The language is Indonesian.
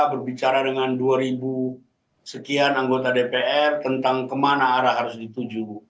berbicara dengan dua ribu sekian anggota dpr tentang kemana arah harus dituju